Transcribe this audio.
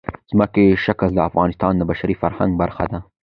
ځمکنی شکل د افغانستان د بشري فرهنګ برخه ده.